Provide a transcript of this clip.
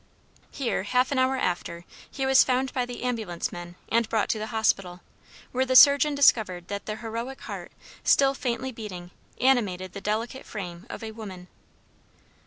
Here half an hour after he was found by the ambulance men and brought to the hospital, where the surgeon discovered that the heroic heart, still faintly beating, animated the delicate frame of a woman.